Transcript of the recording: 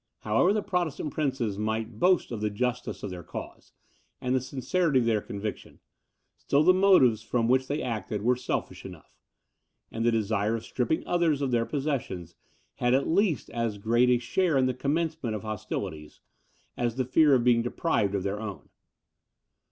However the Protestant Princes might boast of the justice of their cause, and the sincerity of their conviction, still the motives from which they acted were selfish enough; and the desire of stripping others of their possessions, had at least as great a share in the commencement of hostilities, as the fear of being deprived of their own.